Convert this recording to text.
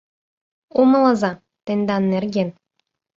Умылыза, тендан нерген.